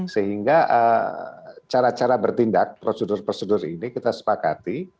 sehingga cara cara bertindak prosedur prosedur ini kita sepakati